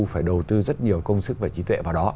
phải đầu tư rất nhiều công sức và trí tuệ vào đó